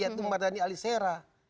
yaitu mardhani alisera